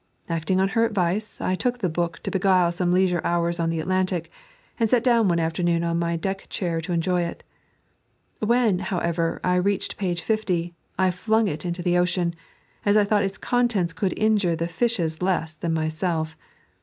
Acting on her advice, I took the book to beguile some leisure hours on the Atlantic, and sat down one afternoon on my deck chur to enjoy it. When, however, I reached page 60, 1 fiung it over into the ocean, as I thought its contents would injure the fishes less than myself.